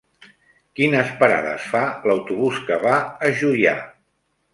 Quines parades fa l'autobús que va a Juià?